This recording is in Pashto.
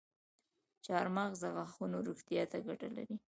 چارمغز د غاښونو روغتیا ته ګټه لري.